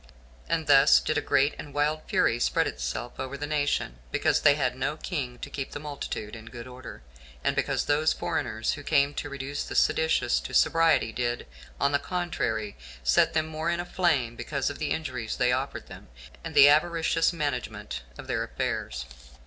And thus did a great and wild fury spread itself over the nation, because they had no king to keep the multitude in good order, and because those foreigners who came to reduce the seditious to sobriety did, on the contrary, set them more in a flame, because of the injuries they offered them, and the avaricious management of their affairs.